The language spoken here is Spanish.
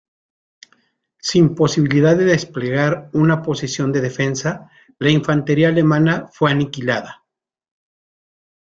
Sin posibilidad de desplegar una posición de defensa, la infantería alemana fue aniquilada.